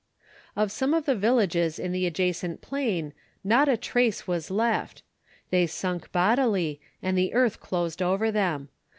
Of some of the villages in the adjacent plain not a trace was left. They sunk bodily, and the earth closed over them.